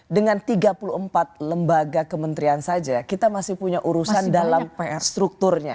dengan tiga puluh empat lembaga kementerian saja kita masih punya urusan dalam pr strukturnya